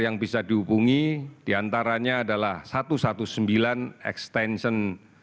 yang bisa dihubungi diantaranya adalah satu ratus sembilan belas extension